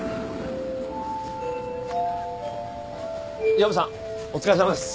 薮さんお疲れさまです。